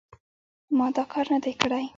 ما دا کار نه دی کړی.